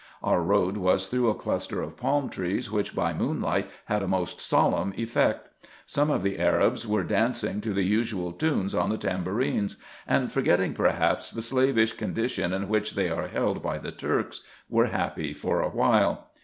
Our road was through a cluster of palm trees, which by moonlight had a most solemn effect. Some of the Arabs were dancing to the usual tunes on the tambourines ; and, forgetting perhaps the slavish condition in which they are held by the Turks, were happy for a while.